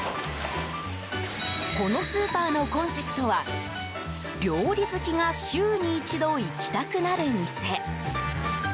このスーパーのコンセプトは料理好きが週に１度行きたくなる店。